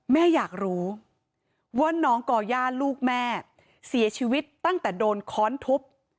แม่อยากรู้ว่าน้องก่อย่าลูกแม่เสียชีวิตตั้งแต่โดนค้อนทุบ